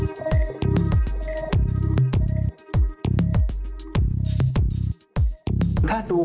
ดีกว่าวุ่นแปดวังกลางละคราม